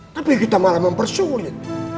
tapi kita malah mempersulit